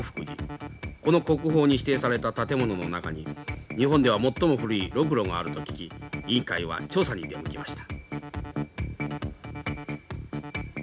この国宝に指定された建物の中に日本では最も古いロクロがあると聞き委員会は調査に出向きました。